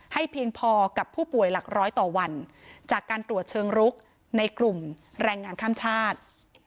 เพียงพอกับผู้ป่วยหลักร้อยต่อวันจากการตรวจเชิงรุกในกลุ่มแรงงานข้ามชาติ